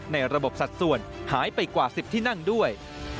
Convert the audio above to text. ในระบบสัดส่วนหายไปกว่า๑๐ที่นั่งด้วย